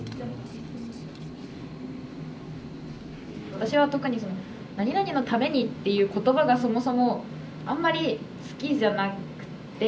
私は特にその「なになにのために」っていう言葉がそもそもあんまり好きじゃなくって。